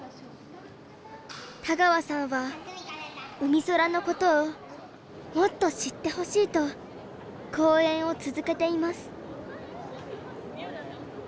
田川さんはうみそらのことをもっと知ってほしいと講演を続けています。